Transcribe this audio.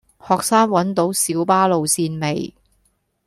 學生搵到小巴路線未